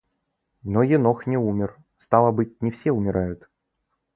Но Енох не умер, стало быть, не все умирают.